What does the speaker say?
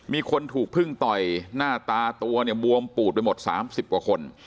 มีคนถูกพึ่งต่อยหน้าตาตัวเนี่ยบวมปูดไปหมด๓๐กว่าคน